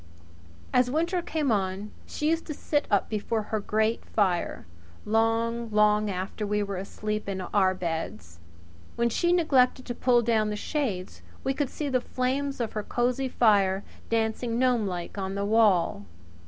As winter came on she used to sit up before her grate fire long, long after we were asleep in our beds. When she neglected to pull down the shades we could see the flames of her cosy fire dancing gnomelike on the wall.